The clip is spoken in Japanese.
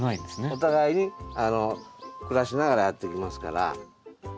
お互いに暮らしながらやっていきますから。